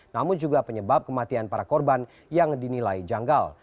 namun juga penyebab kematian para korban yang dinilai janggal